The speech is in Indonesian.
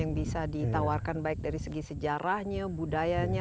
yang bisa ditawarkan baik dari segi sejarahnya budayanya